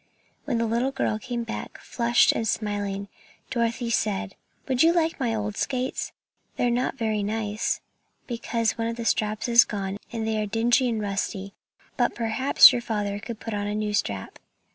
When the little girl came back, flushed and smiling, Dorothy said: "Would you like my old skates? They're not very nice, because one of the straps is gone, and they are dingy and rusty, but perhaps your father could put on a new strap."